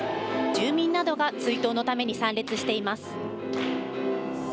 住民などが追悼のために参列しています。